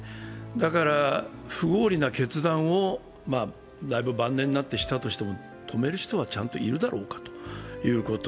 だから、不合理な決断をだいぶ晩年になってしたとしても、止める人はちゃんといるだろうかということ。